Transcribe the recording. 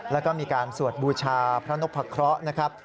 แล้วก็มีการสวดบูชาพระนพะเคราะห์นะครับ